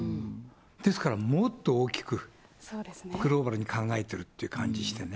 ですからもっと大きく、グローバルに考えてるっていう感じしてね。